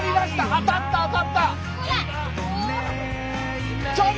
当たった当たった！